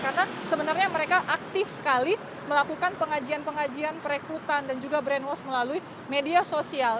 karena sebenarnya mereka aktif sekali melakukan pengajian pengajian perekrutan dan juga brainwash melalui media sosial